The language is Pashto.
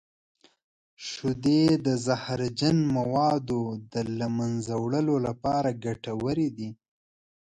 شیدې د زهرجن موادو د له منځه وړلو لپاره ګټورې دي.